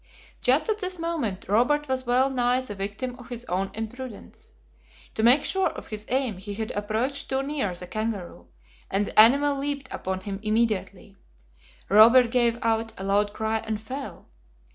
Just at this moment, Robert was well nigh the victim of his own imprudence. To make sure of his aim, he had approached too near the kangaroo, and the animal leaped upon him immediately. Robert gave a loud cry and fell.